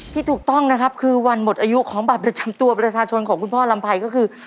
ที่ถูกต้องนะครับคือวันหมดอายุของบัตรประจำตัวประชาชนของคุณพ่อลำไพรก็คือ